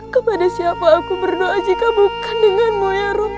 kepada siapa aku berdoa jika bukan denganmu ya room